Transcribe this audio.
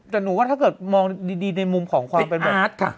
แต่หนูว่าถ้าเกิดมองดีในมุมของความเป็นมาร์ทค่ะ